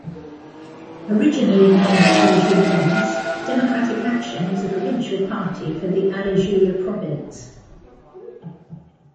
Originally named Alajuelense Democratic Action was a provincial party for the Alajuela Province.